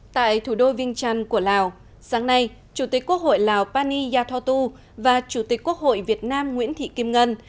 tại thủ đô vinh trân của lào sáng nay chủ tịch quốc hội lào pani yathotu và chủ tịch quốc hội việt nam nguyễn thị kim ngân